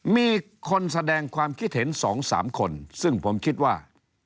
มีคนแสดงความคิดเห็น๒๓คนซึ่งผมคิดว่า